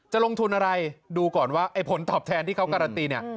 ลงทุนอะไรดูก่อนว่าไอ้ผลตอบแทนที่เขาการันตีเนี่ย